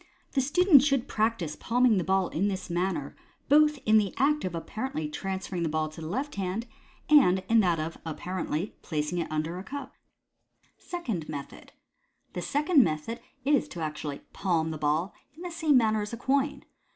The Student should practise palming the ball in this manner both in the act of (apparently) trans ferring the ball to the left hand, and in that of (appa rently) placing it under a cup lifted by the left hand for that purpose. Second Method. — The second method is to ac tually " palm " the ball, in the same manner as a coin.